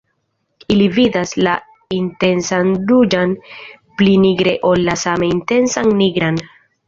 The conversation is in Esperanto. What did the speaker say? Ili vidas la intensan ruĝan pli nigre ol la same intensan nigran.